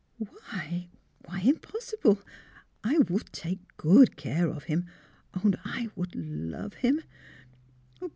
"" Why — impossible? I would take good care of him. Oh, I would love him!